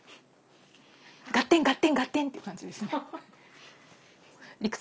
「ガッテンガッテンガッテン！」っていう感じですね。